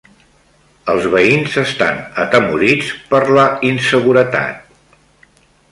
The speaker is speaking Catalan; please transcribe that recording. Els veïns estan atemorits per la inseguretat.